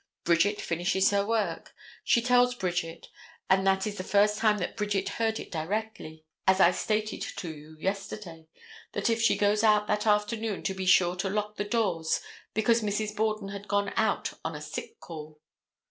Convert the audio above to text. Bridget finishes her work. She tells Bridget, and that is the first time that Bridget heard it directly, as I stated to you yesterday, that if she goes out that afternoon to be sure to lock the doors, because Mrs. Borden had gone out on a sick call.